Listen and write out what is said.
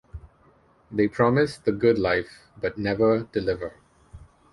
They promise the good life but never deliver.